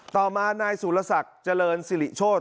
ต่อมานายสุรศักดิ์เจริญสิริโชธ